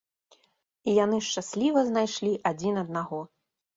І яны шчасліва знайшлі адзін аднаго.